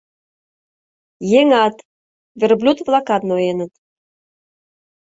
Еҥат, верблюд-влакат ноеныт.